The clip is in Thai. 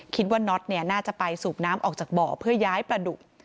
น็อตน่าจะไปสูบน้ำออกจากบ่อเพื่อย้ายประดุก